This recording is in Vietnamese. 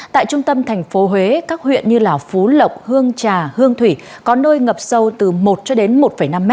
tại trung tâm thành phố huế các huyện như lào phú lộc hương trà hương thủy có nơi ngập sâu từ một một năm m